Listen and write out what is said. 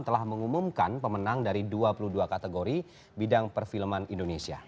telah mengumumkan pemenang dari dua puluh dua kategori bidang perfilman indonesia